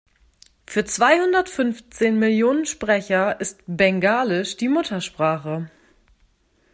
Für zweihundertfünfzehn Millionen Sprecher ist Bengalisch die Muttersprache.